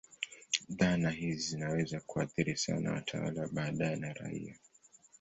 Dhana hizi zinaweza kuathiri sana watawala wa baadaye na raia.